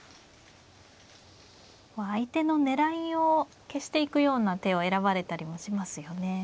相手の狙いを消していくような手を選ばれたりもしますよね。